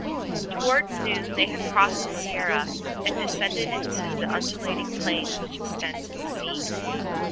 Toward noon they had crossed the Sierra, and descended into the undulating plains which extend to the sea.